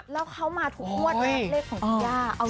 แล้วเขามาทุกขวดนะเลขของพี่ยา